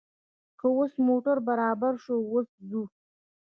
که اوس موټر برابر شو، اوس ځو.